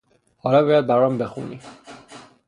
حالا باید برام بخونی